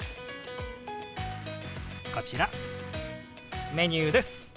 こちらメニューです。